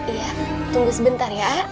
iya tunggu sebentar ya